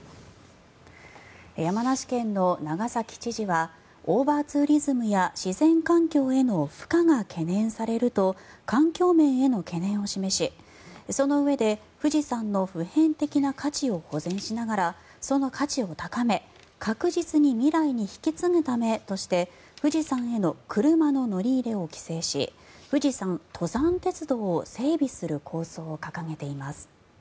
山梨県の長崎知事はオーバーツーリズムや自然環境への負荷が懸念されると環境面への懸念を示しそのうえで富士山の普遍的な価値を保全しながらその価値を高め確実に未来に引き継ぐためとして富士山への車の乗り入れを規制し富士山登山鉄道を整備する構想を掲げています。